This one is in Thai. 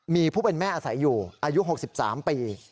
มีผู้เป็นแม่อาศัยอยู่อายุ๖๓ปี